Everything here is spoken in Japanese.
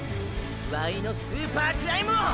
ワイのスーパークライムを！！